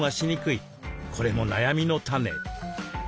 これも悩みの種。